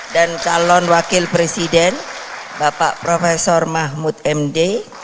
dan calon wakil presiden bapak prof mahmud md